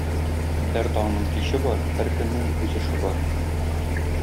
Һәр таңның киче бар, һәр көннең үз эше бар.